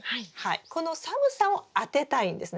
この寒さをあてたいんですね。